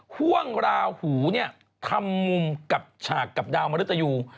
ฮ่วงลาหูทำมุมกับฉากกับดาวมริตยู